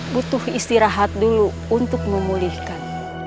butuh istirahat dulu untuk memulihkan